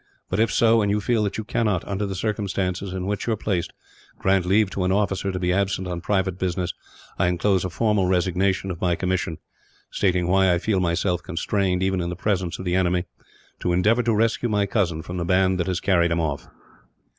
But if so, and you feel that you cannot, under the circumstances in which you are placed, grant leave to an officer to be absent on private business, I inclose a formal resignation of my commission, stating why I feel myself constrained, even in the presence of the enemy, to endeavour to rescue my cousin from the band that has carried him off.